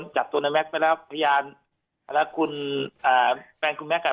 จากตัวในแม็กซ์ไปแล้วพยานแล้วคุณอ่าแฟนคุณแม็กซ์อ่ะ